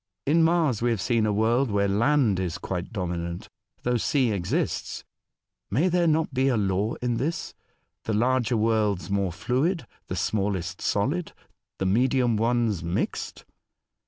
In Mars we have seen a world where land is quite dominant, though sea exists. May there not be a law in this ? The larger worlds more fluid, the smallest solid, the medium ones mixed